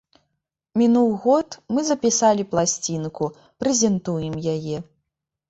Мінуў год, мы запісалі пласцінку, прэзентуем яе.